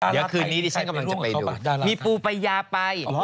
เดี๋ยวคืนนี้ดิฉันกำลังจะไปดู